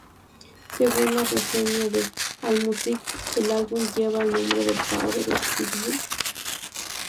Según la reseña de Allmusic, el álbum lleva el nombre del padre de Pitbull.